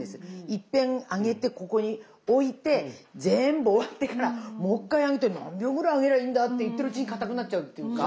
いっぺん揚げてここに置いて全部終わってからもう一回揚げて何秒ぐらい揚げりゃいいんだ？って言ってるうちにかたくなっちゃうっていうか。